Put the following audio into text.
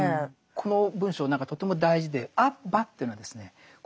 この文章とても大事で「アッバ」っていうのはですね